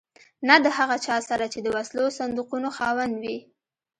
نه د هغه چا سره چې د وسلو صندوقونو خاوند وي.